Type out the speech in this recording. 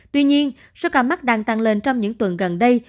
tuy nhiên số ca mắc đang tăng lên trong những tuần gần đây